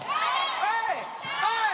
はい！